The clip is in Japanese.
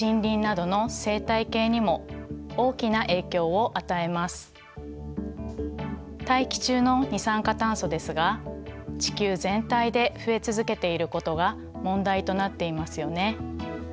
もともと石炭や石油などの大気中の二酸化炭素ですが地球全体で増え続けていることが問題となっていますよね。